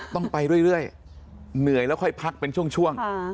ต้องไปเรื่อยเหนื่อยแล้วค่อยพักเป็นช่วง